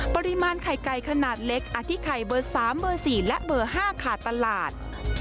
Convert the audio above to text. ปริมาณไข่ไก่ขนาดเล็กอธิไข่เบอร์๓เบอร์๔และเบอร์๕ขาดตลาด